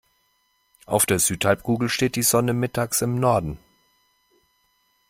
Auf der Südhalbkugel steht die Sonne mittags im Norden.